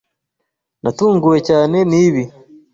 Natunguwe cyane nibi.